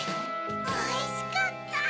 おいしかった！